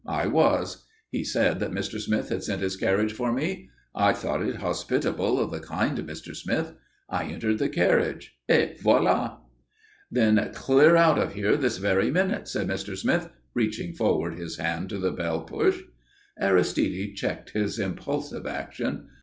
I was. He said that Mr. Smith had sent his carriage for me. I thought it hospitable of the kind Mr. Smith. I entered the carriage et voilà!" "Then clear out of here this very minute," said Mr. Smith, reaching forward his hand to the bell push. Aristide checked his impulsive action.